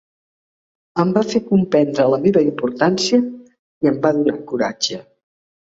Em va fer comprendre la meva importància i em va donar coratge.